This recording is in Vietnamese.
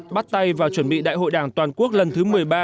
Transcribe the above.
bắt tay vào chuẩn bị đại hội đảng toàn quốc lần thứ một mươi ba